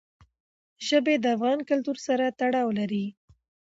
ژبې د افغان کلتور سره تړاو لري.